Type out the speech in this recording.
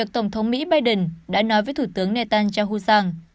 một tổng thống mỹ biden đã nói với thủ tướng netanyahu rằng